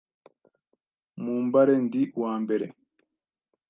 Mu mbare ndi uwa mbere,